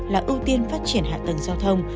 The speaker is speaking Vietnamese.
là ưu tiên phát triển hạ tầng giao thông